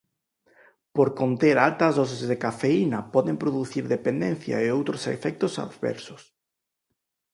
Por conter altas doses de cafeína poden producir dependencia e outros efectos adversos.